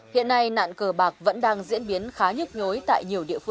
hiện nay nạn cờ bạc vẫn đang diễn biến khá nhiều